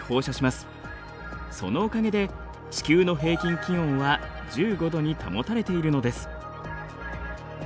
そのおかげで地球の平均気温は１５度に保たれているのです。